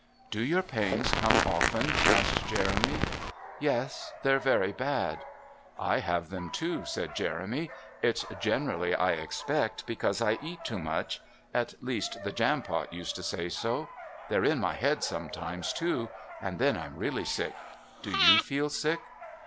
"Do your pains come often?" asked Jeremy. "Yes. They're very bad." "I have them, too," said Jeremy. "It's generally, I expect, because I eat too much at least, the Jampot used to say so. They're in my head sometimes, too. And then I'm really sick. Do you feel sick?"